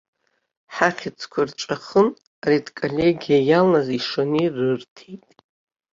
Ҳахьыӡқәа рҵәахын, аредколлегиа иалаз ишаны ирырҭеит.